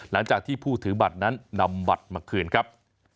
หลังจากที่ผู้ถือบัตรนั้นนำบัตรมาคืนครับ